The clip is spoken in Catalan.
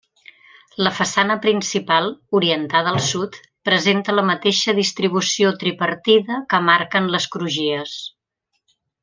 La façana principal, orientada al sud, presenta la mateixa distribució tripartida que marquen les crugies.